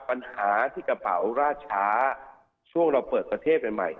ปัญหาที่กระเป๋าราดช้าช่วงเราเปิดประเทศใหม่